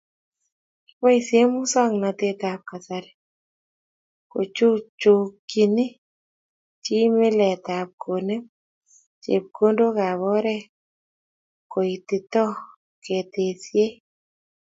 Koboisye musoknatetab kasari, kochuchukchini chi mileetab konem chepkondookab oret koititoi ketesyet